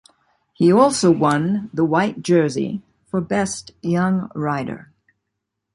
He also won the White Jersey, for best young rider.